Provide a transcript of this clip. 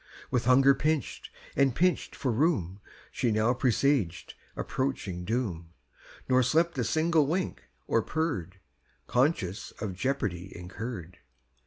With hunger pinch'd, and pinch'd for room, She now presaged approaching doom, Nor slept a single wink, or purr'd, Conscious of jeopardy incurr'd.